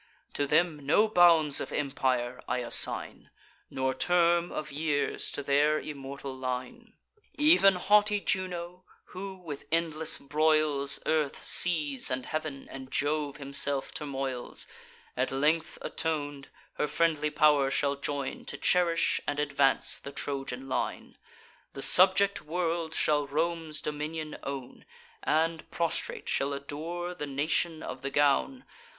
To them no bounds of empire I assign, Nor term of years to their immortal line. Ev'n haughty Juno, who, with endless broils, Earth, seas, and heav'n, and Jove himself turmoils; At length aton'd, her friendly pow'r shall join, To cherish and advance the Trojan line. The subject world shall Rome's dominion own, And, prostrate, shall adore the nation of the gown.